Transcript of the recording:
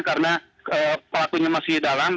karena pelakunya masih dalam